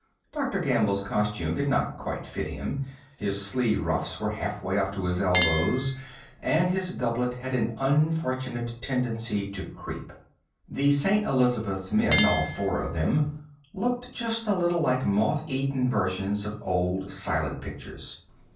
Dr. Gamble's costume did not quite fit him; his sleeve ruffs were halfway up to his elbows and his doublet had an unfortunate tendency to creep. The St. Elizabeths men, all four of them, looked just a little like moth eaten versions of old silent pictures.